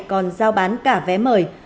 còn giao bán cả vé mời